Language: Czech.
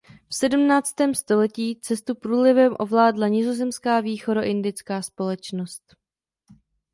V sedmnáctém století cestu průlivem ovládla Nizozemská Východoindická společnost.